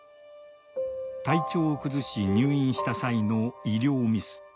体調を崩し入院した際の医療ミス。